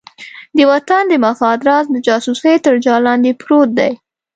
د وطن د مفاد راز د جاسوسۍ تر جال لاندې پروت دی.